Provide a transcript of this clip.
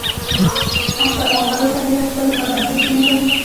مقدسه ډېره ښکلې پټاسه جینۍ ده